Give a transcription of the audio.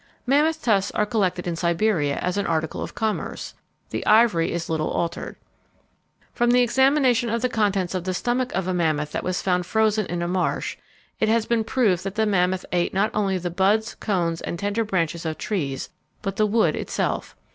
Mammoth tusks are collected in Siberia as an article of commerce. The ivory is little altered. From the examination of the contents of the stomach of a mammoth that was found frozen in a marsh it has been proved that the mammoth ate not only the buds, cones, and tender branches of trees, but the wood itself.